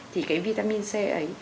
thì cái vitamin c ấy